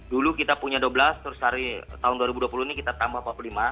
dulu kita punya dua belas terus hari tahun dua ribu dua puluh ini kita tambah empat puluh lima